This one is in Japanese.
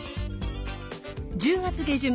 １０月下旬